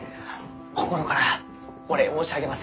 心からお礼申し上げます。